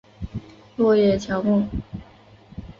落叶乔木。